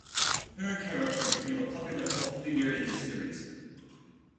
Her character became a popular cult figure in the series.